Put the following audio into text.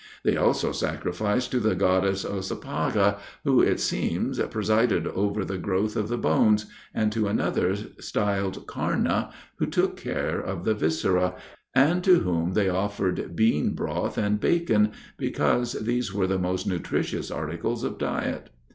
They also sacrificed to the goddess Ossipaga, who, it seems, presided over the growth of the bones, and to another styled Carna, who took care of the viscera, and to whom they offered bean broth and bacon, because these were the most nutritious articles of diet.